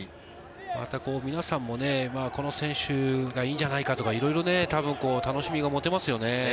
皆さんもこの選手がいいんじゃないかとか、多分楽しみがもてますね。